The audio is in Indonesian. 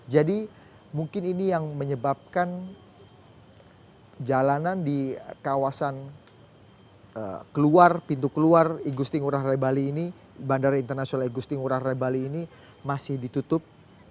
jadi mungkin ini yang menyebabkan jalanan di kawasan keluar pintu keluar bandara internasional igusti kura rebali ini masih ditutup